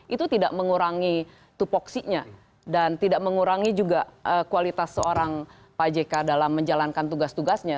itu tidak mengurangi tupoksinya dan tidak mengurangi juga kualitas seorang pak jk dalam menjalankan tugas tugasnya